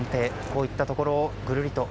こういったところをぐるりと。